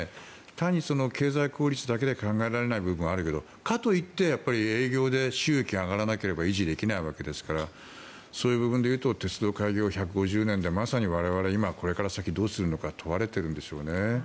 単に経済効率だけで考えられない部分はあるけどかといって営業で収益が上がらなければ維持できないわけですからそういう部分でいうと鉄道開業１５０周年でまさに我々今、これから先どうするのか問われているんでしょうね。